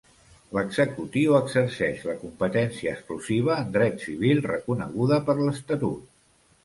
L'Executiu exerceix la competència exclusiva en dret civil reconeguda per l'Estatut.